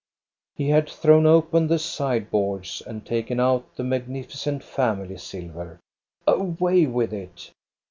He had thrown open the sideboards and taken out the magnificent family silver. Away with it